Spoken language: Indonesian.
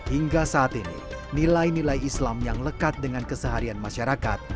hingga saat ini nilai nilai islam yang lekat dengan keseharian masyarakat